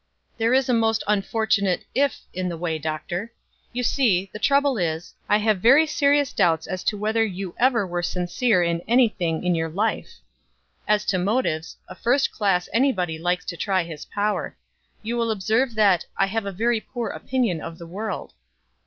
"There is a most unfortunate 'if' in the way, Doctor. You see, the trouble is, I have very serious doubts as to whether you ever were sincere in any thing in your life. As to motives, a first class anybody likes to try his power. You will observe that 'I have a very poor opinion of the world.'"